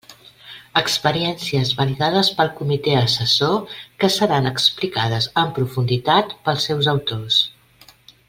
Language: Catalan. Experiències validades pel comitè assessor que seran explicades en profunditat pels seus autors.